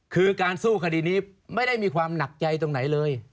คือการสู้คดีนี้ไม่ได้มีความหนักใจตรงไหนเลย